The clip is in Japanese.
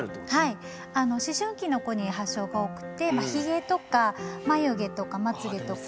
はい思春期の子に発症が多くってひげとか眉毛とかまつげとか。